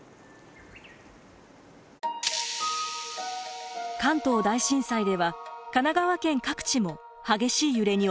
関東大震災では神奈川県各地も激しい揺れに襲われました。